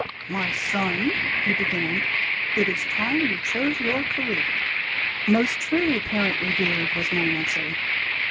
" My son," he began, " it is time you chose your career." " Most true, Parent revered," was my answer.